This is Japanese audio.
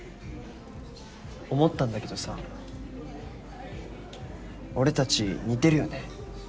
思ったんだけどさ俺たち似てるよね。